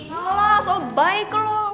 malah sobaik lo